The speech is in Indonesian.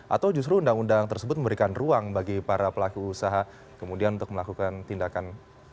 atau justru undang undang tersebut memberikan ruang bagi para pelaku usaha kemudian untuk melakukan tindakan